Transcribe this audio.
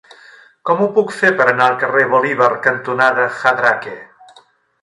Com ho puc fer per anar al carrer Bolívar cantonada Jadraque?